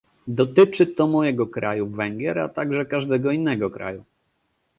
Dotyczy to mojego kraju, Węgier, a także każdego innego kraju